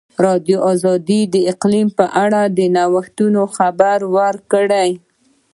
ازادي راډیو د اقلیم په اړه د نوښتونو خبر ورکړی.